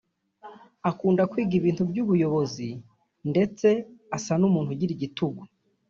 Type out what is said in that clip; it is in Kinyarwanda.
akunda kwiga ibintu by’ubuyobozi ndetse asa n’umuntu ugira igitugu